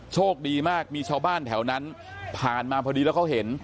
โชคดีมากมีชาวบ้านแถวนั้นผ่านมาพอดีแล้วเขาเห็น